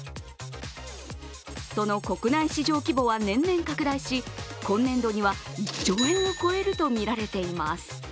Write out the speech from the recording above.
その国内市場規模は年々拡大し、今年度には１兆円を超えるとみられています。